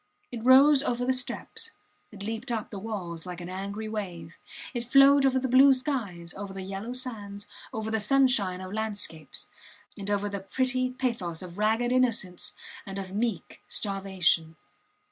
It rose over the steps, it leaped up the walls like an angry wave, it flowed over the blue skies, over the yellow sands, over the sunshine of landscapes, and over the pretty pathos of ragged innocence and of meek starvation.